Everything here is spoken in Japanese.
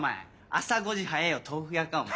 朝５時早えぇよ豆腐屋かお前。